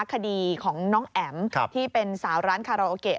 คดีของน้องแอ๋มที่เป็นสาวร้านคาราโอเกะ